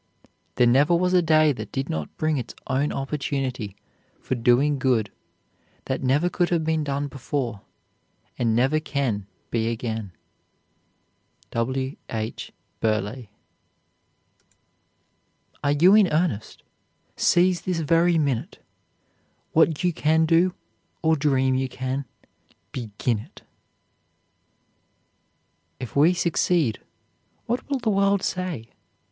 There never was a day that did not bring its own opportunity for doing good that never could have been done before, and never can be again. W. H. BURLEIGH. "Are you in earnest? Seize this very minute; What you can do, or dream you can, begin it." "If we succeed, what will the world say?"